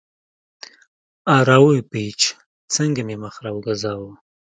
را و پېچ، څنګه مې مخ را وګرځاوه.